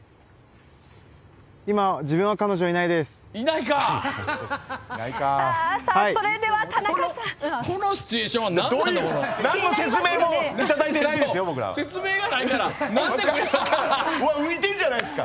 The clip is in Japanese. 今、自分は彼女はいないです。